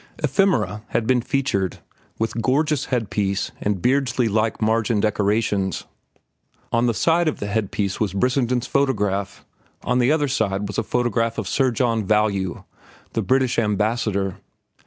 "Ephemera" had been featured, with gorgeous head piece and Beardsley like margin decorations. On one side of the head piece was Brissenden's photograph, on the other side was the photograph of Sir John Value, the British Ambassador.